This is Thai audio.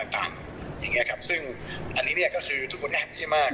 อย่างนี้ครับซึ่งอันนี้เนี่ยก็คือทุกคนแอปเยอะมาก